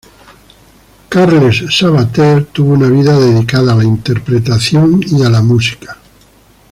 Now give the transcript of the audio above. Carles Sabater tuvo una vida dedicada a la interpretación y a la música.